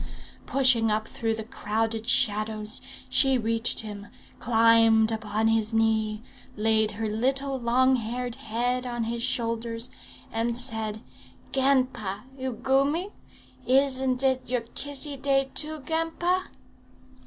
Pushing through the crowded shadows, she reached him, climbed upon his knee, laid her little long haired head on his shoulders, and said, 'Ganpa! you goomy? Isn't it your Kissy Day too, ganpa?'